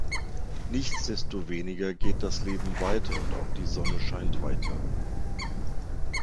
Nichtsdestoweniger geht das Leben weiter und auch die Sonne scheint weiter.